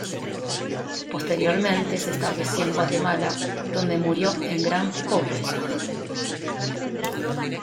Posteriormente se estableció en Guatemala, donde murió en gran pobreza.